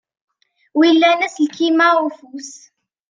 Wilan aselkim-a ufus?